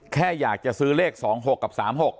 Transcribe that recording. แค่อยากจะซื้อเลข๒๖กับ๓๖